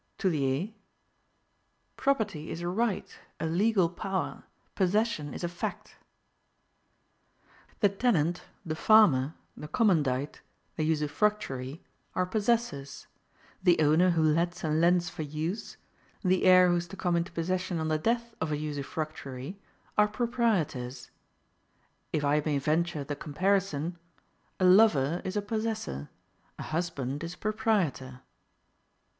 Toullier: "Property is a right, a legal power; possession is a fact." The tenant, the farmer, the commandite, the usufructuary, are possessors; the owner who lets and lends for use, the heir who is to come into possession on the death of a usufructuary, are proprietors. If I may venture the comparison: a lover is a possessor, a husband is a proprietor.